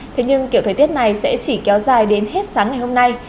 thế nhưng kiểu thời tiết này sẽ chỉ kéo dài đến hết sáng ngày hôm nay